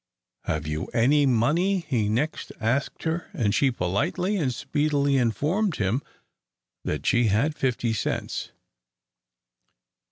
"Have you any money?" he next asked her, and she politely and speedily informed him that she had fifty cents.